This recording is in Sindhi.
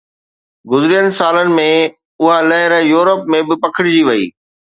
گذريل سالن ۾، اها لهر يورپ ۾ به پکڙجي وئي.